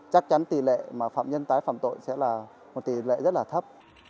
chắc chắn tỷ lệ mà phạm nhân tái phạm tội sẽ là một tỷ lệ rất là thấp